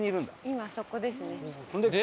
今そこですね。